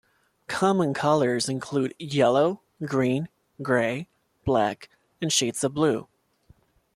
Common colours include yellow, green, grey, black and shades of blue.